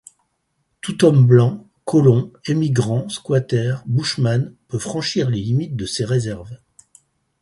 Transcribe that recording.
Tout homme blanc, colon, émigrant, squatter, bushman, peut franchir les limites de ces réserves.